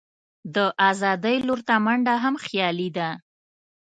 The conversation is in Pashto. د آزادۍ لور ته منډه هم خیالي ده.